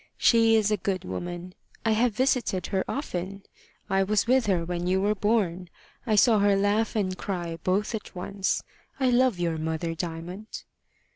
"She is a good woman. I have visited her often. I was with her when you were born. I saw her laugh and cry both at once. I love your mother, Diamond."